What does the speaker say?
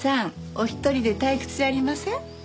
お一人で退屈じゃありません？